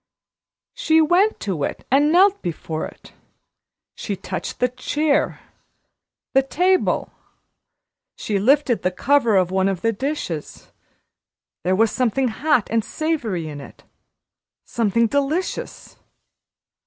She went to it and knelt before it. She touched the chair, the table; she lifted the cover of one of the dishes. There was something hot and savory in it something delicious.